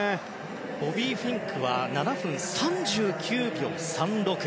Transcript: ボビー・フィンクは７分３９秒３６。